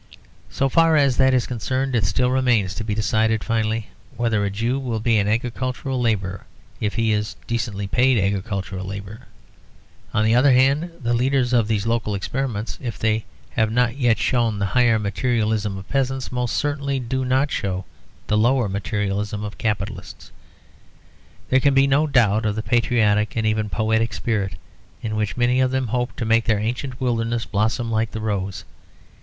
So far as that is concerned, it still remains to be decided finally whether a Jew will be an agricultural labourer, if he is a decently paid agricultural labourer. On the other hand, the leaders of these local experiments, if they have not yet shown the higher materialism of peasants, most certainly do not show the lower materialism of capitalists. There can be no doubt of the patriotic and even poetic spirit in which many of them hope to make their ancient wilderness blossom like the rose.